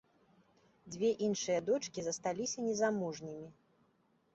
Дзве іншыя дочкі засталіся незамужнімі.